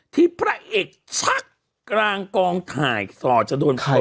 ที่พระเอกชักกลางกองถ่ายสอย